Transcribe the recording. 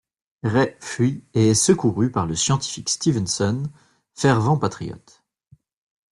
Ray fuit et est secouru par le scientifique Stevenson, fervent patriote.